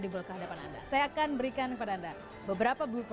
itu hal yang paling buruk